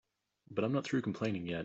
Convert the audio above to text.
But I'm not through complaining yet.